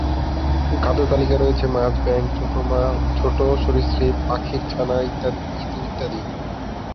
খাদ্যতালিকায় রয়েছে মাছ, ব্যাঙ, ছোট সরীসৃপ, পাখির ছানা, ইঁদুর ইত্যাদি।